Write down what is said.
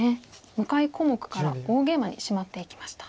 向かい小目から大ゲイマにシマっていきました。